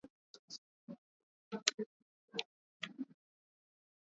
umetusaidia Watanzania kupumzika na kelele za vyama